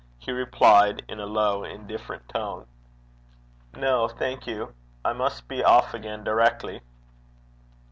He replied in a low indifferent tone, 'No, thank you; I must be off again directly.'